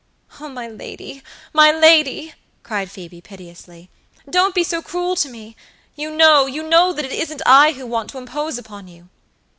"Oh, my lady, my lady," cried Phoebe, piteously, "don't be so cruel to me; you know, you know that it isn't I who want to impose upon you."